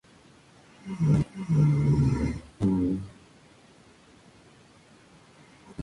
En el frente litoral de Algeciras pueden diferenciarse dos zonas.